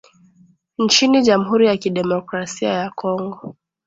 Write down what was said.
nchini jamhuri ya demokrasia ya kongo